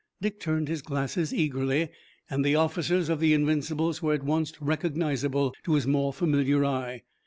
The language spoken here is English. Dick turned his glasses eagerly and the officers of the Invincibles were at once recognizable to his more familiar eye.